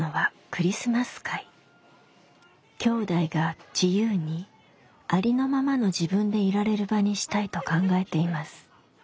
きょうだいが自由にありのままの自分でいられる場にしたいと考えています。